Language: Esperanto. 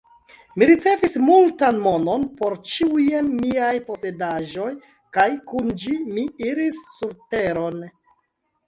Mi ricevis multan monon por ĉiujn miaj posedaĵoj, kaj kun ĝi, mi iris surteron.